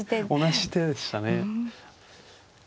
同じ手でしたね。